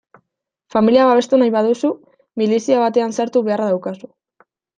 Familia babestu nahi baduzu, milizia batean sartu beharra daukazu.